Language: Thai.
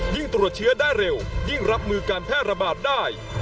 ตรวจเชื้อได้เร็วยิ่งรับมือการแพร่ระบาดได้